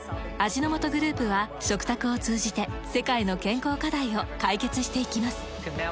味の素グループは食卓を通じて世界の健康課題を解決していきます。